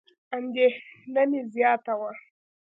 اندېښنه مې زیاته وه.